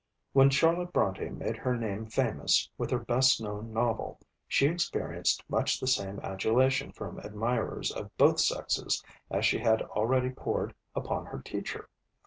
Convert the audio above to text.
When Charlotte Brontë made her name famous with her best known novel, she experienced much the same adulation from admirers of both sexes as she had already poured upon her teacher.